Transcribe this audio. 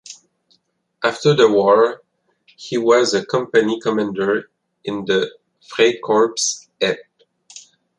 After the war, he was a company commander in the "Freikorps" Epp.